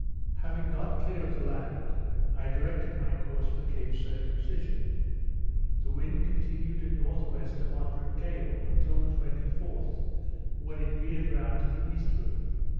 Having got clear of the land, I directed my course for Cape Circumcision. The wind continued at N.W. a moderate gale, until the 24th, when it veered round to the eastward.